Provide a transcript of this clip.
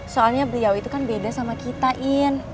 soalnya beliau itu kan beda sama kita in